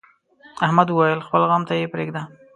احمد وويل: خپل غم ته یې پرېږده.